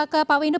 ke pak windu